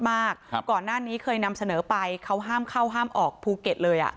ก่อนหน้านี้เคยนำเสนอไปเขาห้ามเข้าห้ามออกภูเก็ตเลยอ่ะ